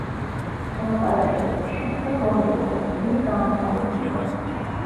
მოლაპარაკებების შემდეგ ორივე პოლიციელი გაანთავისუფლეს.